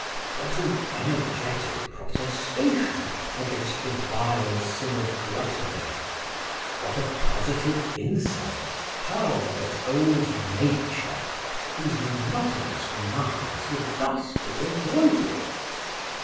What an energetic protestation against the vile sin of gluttony, what a positive insult hurled at old nature whose monotonous demands would thus be avoided."